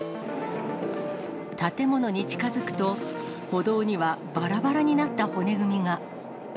建物に近づくと、歩道には、ばらばらになった骨組みが。